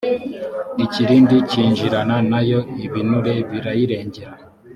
ikirindi kinjirana na yo ibinure birayirengera